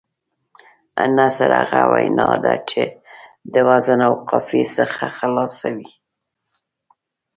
نثر هغه وینا ده، چي د وزن او قافيې څخه خلاصه وي.